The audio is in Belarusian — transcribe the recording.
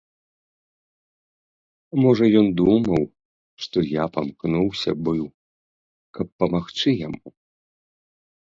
Можа, ён думаў, што я памкнуўся быў, каб памагчы яму.